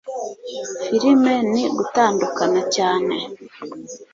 Filime ni gutandukana cyane